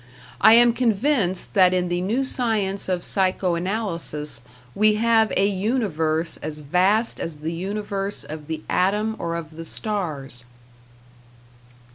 I am convinced that in the new science of psycho analysis we have a universe as vast as the universe of the atom or of the stars.